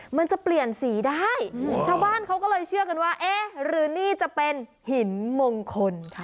มันจะเปลี่ยนสีได้ชาวบ้านเขาก็เลยเชื่อกันว่าเอ๊ะหรือนี่จะเป็นหินมงคล